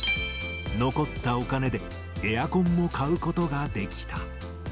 残ったお金でエアコンも買うことができた。